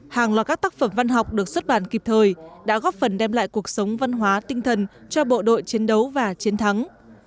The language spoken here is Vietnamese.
hàng loạt các tác phẩm văn học được xuất bản kịp thời đã góp phần đem lại cuộc sống văn hóa tinh thần cho bộ đội chiến đấu và chiến thắng